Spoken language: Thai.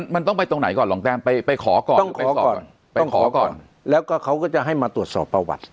มันต้องไปตรงไหนก่อนรองแต้มไปขอก่อนไปขอก่อนแล้วก็เขาก็จะให้มาตรวจสอบประวัติ